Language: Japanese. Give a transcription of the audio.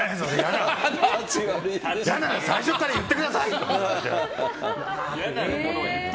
嫌なら最初から言ってください！とか。